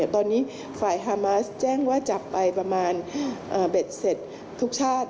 ตอนนี้ฝ่ายฮามาสแจ้งว่าจับไปประมาณเบ็ดเสร็จทุกชาติ